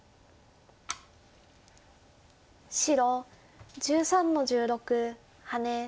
白１３の十六ハネ。